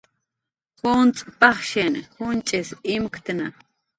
Juncx' pajshin junch'is imktna